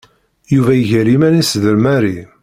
Yuba iger iman-is d Mary.